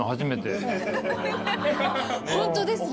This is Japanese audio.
ホントですね。